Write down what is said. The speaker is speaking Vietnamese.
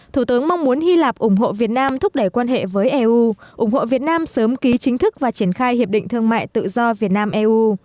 thủ tướng mong muốn hy lạp ủng hộ việt nam thúc đẩy quan hệ với eu ủng hộ việt nam sớm ký chính thức và triển khai hiệp định thương mại tự do việt nam eu